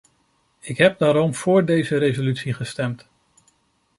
Ik heb daarom vóór deze resolutie gestemd.